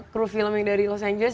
kru film yang dari los angeles